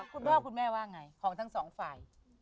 คุณแล้วคุณแม่ว่าไงพวกทั้งสองฝ่าย